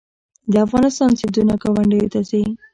د افغانستان سیندونه ګاونډیو ته ځي